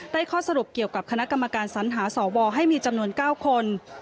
ข้อสรุปเกี่ยวกับคณะกรรมการสัญหาสวให้มีจำนวน๙คน